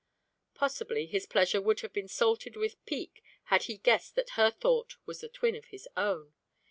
Possibly his pleasure would have been salted with pique had he guessed that her thought was the twin of his own.